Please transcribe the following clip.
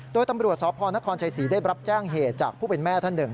โดยตำรวจสพนครชัยศรีได้รับแจ้งเหตุจากผู้เป็นแม่ท่านหนึ่ง